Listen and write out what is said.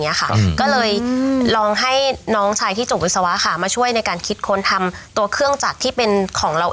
อย่างเงี้ยค่ะอืมก็เลยลองให้น้องชายที่จงวิศวะค่ะมาช่วยในการคิดค้นทำตัวเครื่องจักรที่เป็นของเราเอง